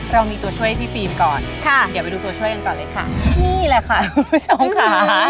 เรามีตัวช่วยให้พี่ฟิล์มก่อนค่ะเดี๋ยวไปดูตัวช่วยกันก่อนเลยค่ะนี่แหละค่ะคุณผู้ชมค่ะ